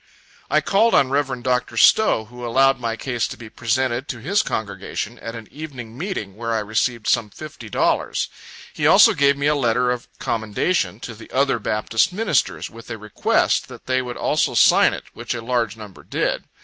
I called on Rev. Dr. Stow, who allowed my case to be presented to his congregation, at an evening meeting, where I received some fifty dollars. He also gave me a letter of commendation to the other Baptist ministers, with a request that they would also sign it, which a large number did.